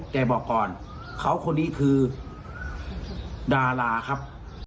แต่บอกก่อนเขาคนนี้คือดาราครับ